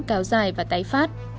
cao dài và tái phát